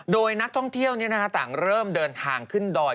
โดยนักท่องเที่ยวต่างเริ่มเดินทางขึ้นดอย